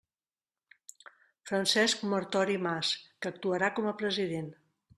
Francesc Martori Mas, que actuarà com a president.